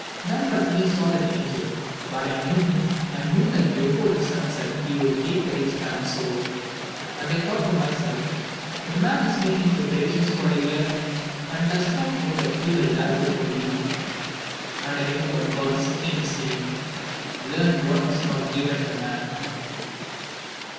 None but me saw that angel; but I knew him, and knew that before the sun set he would take that rich man's soul. And I thought to myself, 'The man is making preparations for a year, and does not know that he will die before evening.' And I remembered God's second saying, 'Learn what is not given to man.'